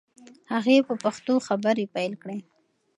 هغې په پښتو خبرې پیل کړې.